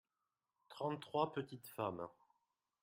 trente trois petites femmes.